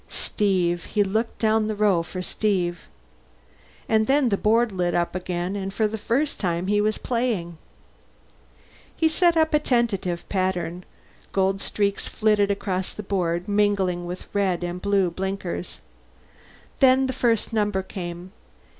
Steve. He looked down the row for Steve. And then the board lit up again, and for the first time he was playing. He set up a tentative pattern; golden streaks flitted across the board, mingling with red and blue blinkers. Then the first number came.